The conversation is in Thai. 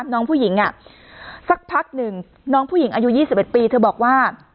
น้องผู้หญิงสักพักหนึ่งน้องผู้หญิงอายุ๒๑ปีเธอบอกว่า